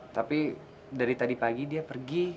tapi dari tadi pagi dia pergi